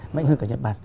mạnh hơn cả nhật bản